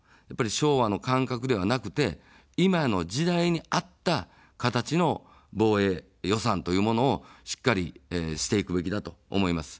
昭和の感覚ではなくて、今の時代に合った形の防衛予算というものをしっかりしていくべきだと思います。